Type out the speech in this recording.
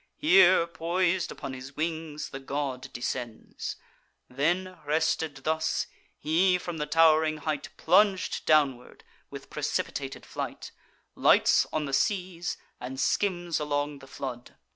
Here, pois'd upon his wings, the god descends: Then, rested thus, he from the tow'ring height Plung'd downward, with precipitated flight, Lights on the seas, and skims along the flood.